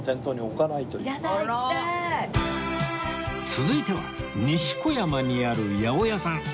続いては西小山にある八百屋さん